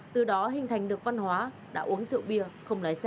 từ đó hình thành được văn hóa đã uống rượu bia không lái xe